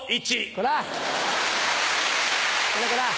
こらこら。